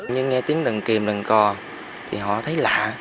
như nghe tiếng đần kìm đần cò thì họ thấy lạ